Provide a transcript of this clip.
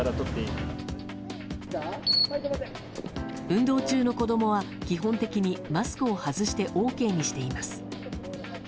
運動中の子供は基本的にマスクを外してＯＫにしています。